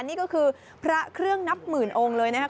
นี่ก็คือพระเครื่องนับหมื่นองค์เลยนะครับ